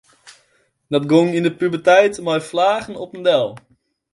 Dat gong yn de puberteit mei fleagen op en del.